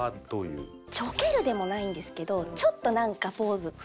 ちょけるでもないんですけどちょっとなんかポーズ。